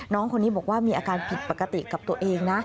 น้องคนนี้บอกว่ามีอาการผิดปกติกับตัวเองนะ